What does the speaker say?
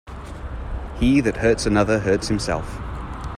He that hurts another, hurts himself.